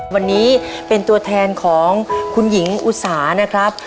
วันนี้เป็นตัวแทนของคุณหญิงอุตสานะครับ